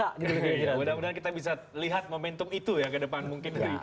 mudah mudahan kita bisa lihat momentum itu ya ke depan mungkin